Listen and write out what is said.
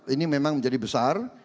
ini memang menjadi besar